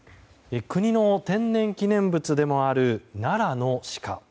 国の天然記念物でもある奈良のシカ。